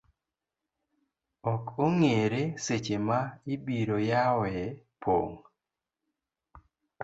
Ok ong’ere seche ma ibiroyawoe pong'